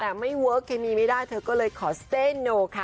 แต่ไม่เวิร์คเคมีไม่ได้เธอก็เลยขอเซโนค่ะ